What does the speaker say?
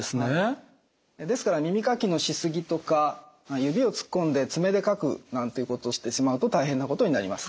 ですから耳かきのしすぎとか指を突っ込んで爪でかくなんていうことをしてしまうと大変なことになります。